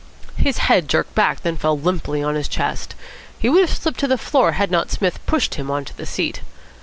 His head jerked back, then fell limply on his chest. He would have slipped to the floor had not Psmith pushed him on to the seat.